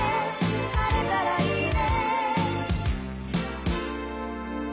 「晴れたらいいね」